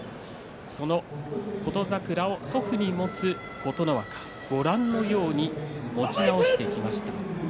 その琴櫻を祖父に持つ琴ノ若、持ち直してきました。